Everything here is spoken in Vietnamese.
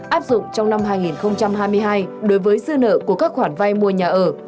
áp dụng trong năm hai nghìn hai mươi hai đối với dư nợ của các khoản vay mua nhà ở